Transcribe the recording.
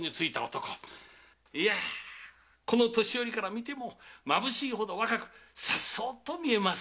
いやこの年寄りから見ても眩しいほど若く颯爽と見えまする。